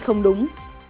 vì không đúng